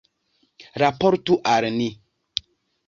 Raportu al ni.